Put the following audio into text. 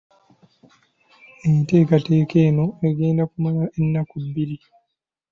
Enteekateeka eno egenda kumala ennaku bbiri